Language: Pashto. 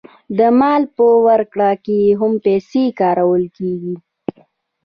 د مال په ورکړه کې هم پیسې کارول کېږي